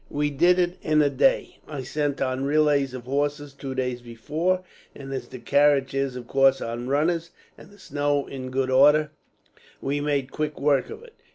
"We did it in a day. I sent on relays of horses, two days before; and as the carriage is of course on runners, and the snow in good order, we made quick work of it.